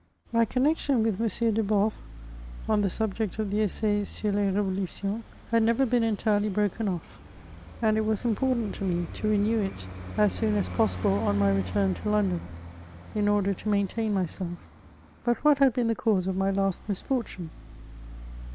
My connexion with M. Deboffe on the subject of the E$sai sur les Revolutions had never been entirely broken off, and it CHATEAUBBIAND. 397 was important to me to renew it as soon as possible on my return to London, in order to maintain myself. But what had been the cause of my last misfortune